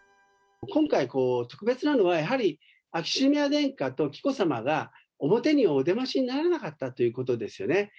今回、特別なのは、やはり秋篠宮殿下と紀子さまが、表にお出ましにならなかったということですよね。